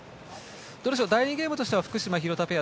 第２ゲームとしては福島、廣田ペア